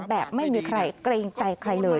แบบไม่มีใครเกรงใจใครเลย